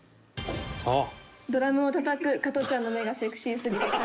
あっ！